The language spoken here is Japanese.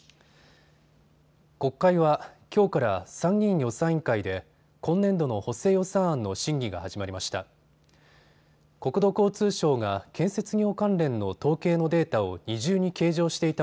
国会はきょうから参議院予算委員会で今年度の補正予算案の審議が始まりました。